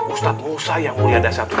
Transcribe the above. ustad musa yang mulia dan sehat